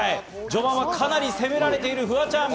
序盤はかなり攻められているフワちゃん。